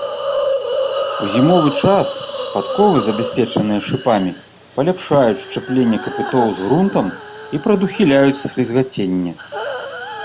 У зімовы час падковы, забяспечаныя шыпамі, паляпшаюць счапленне капытоў з грунтам і прадухіляюць слізгаценне.